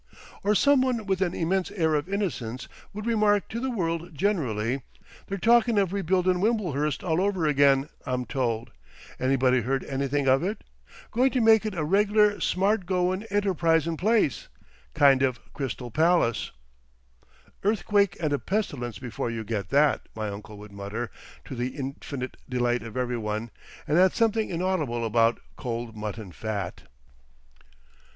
Or some one with an immense air of innocence would remark to the world generally, "They're talkin' of rebuildin' Wimblehurst all over again, I'm told. Anybody heard anything of it? Going to make it a reg'lar smartgoin', enterprisin' place—kind of Crystal Pallas." "Earthquake and a pestilence before you get that," my uncle would mutter, to the infinite delight of every one, and add something inaudible about "Cold Mutton Fat."...